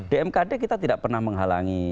di mkd kita tidak pernah menghalangi